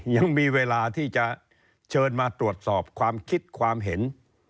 ยังมีเวลาที่จะเชิญมาตรวจสอบความคิดความเห็น